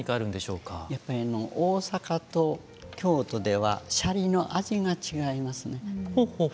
やっぱり大阪と京都ではシャリの味が違いますね。